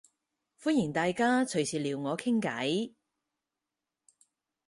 歡迎大家隨時撩我傾計